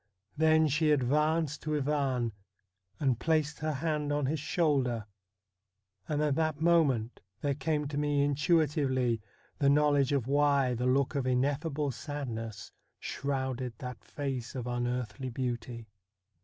Then she advanced to Ivan and placed her hand on his shoulder ; and at that moment there came to me intuitively the know ledge of why the look of ineffable sadness shrouded that face of unearthly beauty.